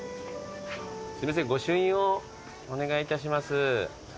すいません御朱印をお願いいたします。